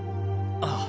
ああ。